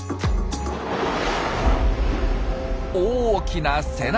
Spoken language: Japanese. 大きな背中！